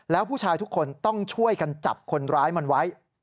แล้วผู้ชายทุกคนต้องช่วยกันจับคนร้ายมันไว้